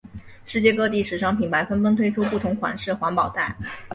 世界各地时尚品牌纷纷推出不同款式环保袋。